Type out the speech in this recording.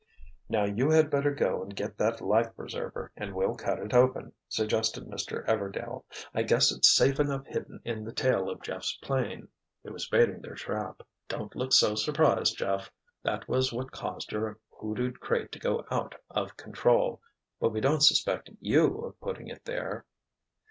"Now you had better go and get that life preserver, and we'll cut it open," suggested Mr. Everdail. "I guess it's safe enough hidden in the tail of Jeff's plane—" He was baiting their trap. "Don't look so surprised, Jeff—that was what caused your 'hoodooed' crate to go out of control—but we don't suspect you of putting it there!"